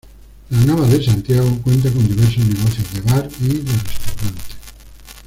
La Nava de Santiago cuenta con diversos negocios de bar y de restaurante.